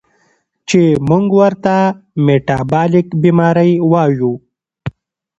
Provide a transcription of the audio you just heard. چې مونږ ورته ميټابالک بیمارۍ وايو